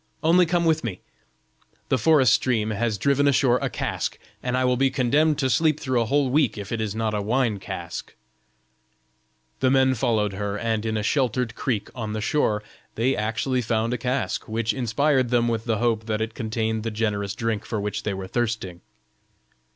Only come with me; the forest stream has driven ashore a cask, and I will be condemned to sleep through a whole week if it is not a wine cask." The men followed her, and in a sheltered creek on the shore, they actually found a cask, which inspired them with the hope that it contained the generous drink for which they were thirsting.